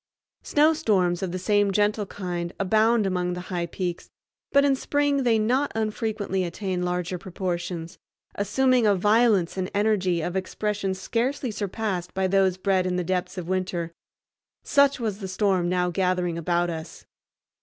Snowstorms of the same gentle kind abound among the high peaks, but in spring they not unfrequently attain larger proportions, assuming a violence and energy of expression scarcely surpassed by those bred in the depths of winter. Such was the storm now gathering about us.